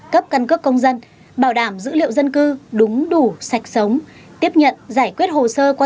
cấp căn cước công dân bảo đảm dữ liệu dân cư đúng đủ sạch sống tiếp nhận giải quyết hồ sơ qua